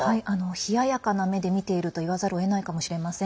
冷ややかな目で見ているといわざるをえないかもしれません。